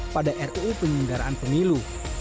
pada ruu pemindaraan pemilu